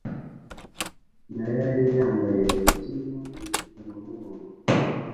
Mariya yari yambaye bikini ubushize namubonye